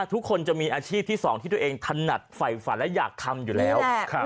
ทุกคนจะมีอาชีพที่๒ที่ตัวเองถนัดฝ่ายฝันและอยากทำอยู่แล้ว